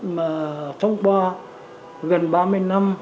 mà phong qua gần ba mươi năm